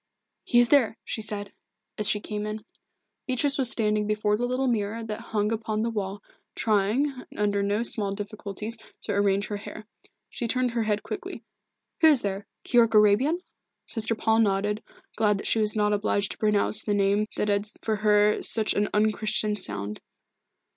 "He is there!" she said, as she came in. Beatrice was standing before the little mirror that hung upon the wall, trying, under no small difficulties, to arrange her hair. He turned her head quickly. "Who is there? Keyork Arabian?" Sister Paul nodded, glad that she was not obliged to pronounce the name that had for her such an unChristian sound.